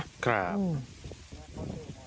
ครับ